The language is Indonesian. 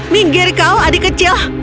minggir kau adik kecil